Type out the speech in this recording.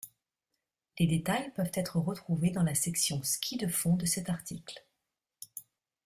Les détails peuvent être retrouvés dans la section ski de fond de cet article.